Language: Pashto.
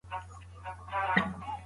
په لومړنۍ تجربه کې د وینې کیفیت ښه و.